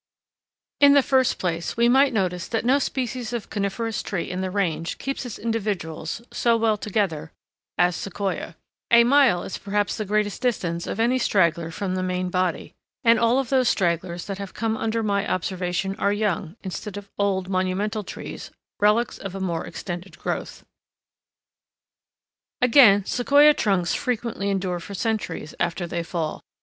In the first place we might notice that no species of coniferous tree in the range keeps its individuals so well together as Sequoia; a mile is perhaps the greatest distance of any straggler from the main body, and all of those stragglers that have come under my observation are young, instead of old monumental trees, relics of a more extended growth. Again, Sequoia trunks frequently endure for centuries after they fall.